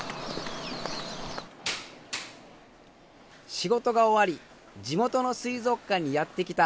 仕事が終わり地元の水族館にやって来た佐藤さん。